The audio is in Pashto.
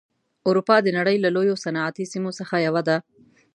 اروپا د نړۍ له لویو صنعتي سیمو څخه یوه ده.